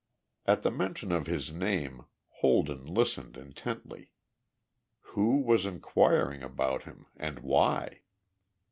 At the mention of his name Holden listened intently. Who was inquiring about him, and why?